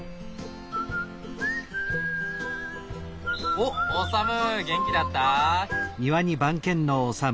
おっオサム元気だった？